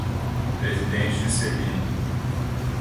Presidente Juscelino